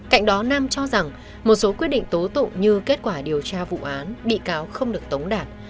cạnh đó nam cho rằng một số quyết định tố tụng như kết quả điều tra vụ án bị cáo không được tống đạt